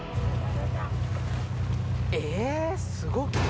えぇすごっ。